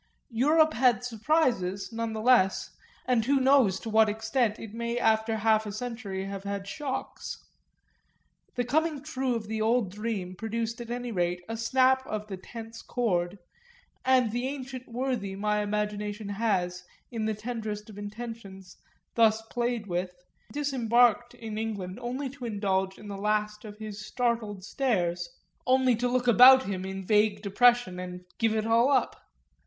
Europe had surprises, none the less, and who knows to what extent it may after half a century have had shocks? The coming true of the old dream produced at any rate a snap of the tense cord, and the ancient worthy my imagination has, in the tenderest of intentions, thus played with, disembarked in England only to indulge in the last of his startled stares, only to look about him in vague deprecation and give it all up.